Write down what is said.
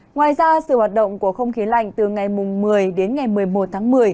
ngoài ra sự hoạt động của không khí lạnh từ ngày một mươi đến ngày một mươi một tháng một mươi